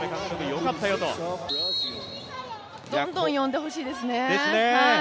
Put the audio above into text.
どんどん呼んでほしいですね。